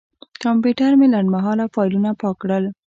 کمپیوټر مې لنډمهاله فایلونه پاک کړل.